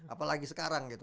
apalagi sekarang gitu